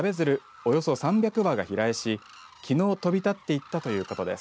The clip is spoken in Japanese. およそ３００羽が飛来し、きのう飛び立っていったということです。